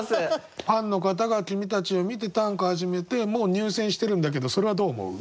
ファンの方が君たちを見て短歌始めてもう入選してるんだけどそれはどう思う？